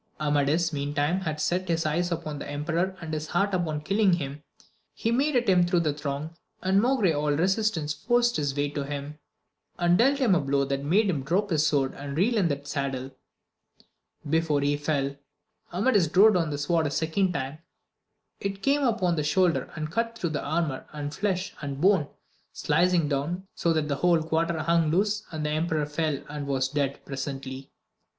Amadis meantime had set his eyes upon the emperor and his heart upon killing him,' he made at him through the throng, and maugre all resistance forced his way up to hin^, and dealt hinfi AMADIS OF GAUL 1?5 a blow that made him drop his sword and reel in the saddle ; before he fell, Amadis drove down the sword a second time, it came upon the shoulder, and cut through armour and flesh and bone, slicing down, so that the whole quarter hung loose, and the emperor fell and was dead presently.